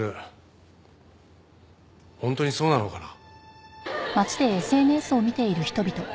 本当にそうなのかな？